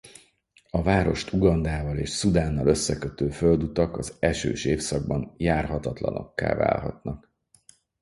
A várost Ugandával és Szudánnal összekötő földutak az esős évszakban járhatatlanokká válhatnak.